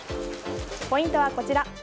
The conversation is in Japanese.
ポイントはこちら。